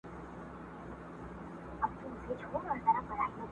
په لوی لاس به ورانوي د ژوندون خونه!!